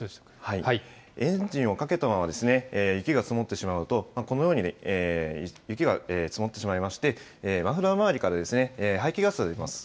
エンジンをかけたまま、雪が積もってしまうと、このように雪が積もってしまいまして、マフラー周りから排気ガスが出ます。